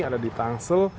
ada di tangsel